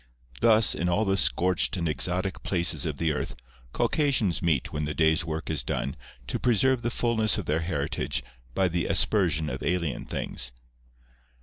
Thus, in all the scorched and exotic places of the earth, Caucasians meet when the day's work is done to preserve the fulness of their heritage by the aspersion of alien things.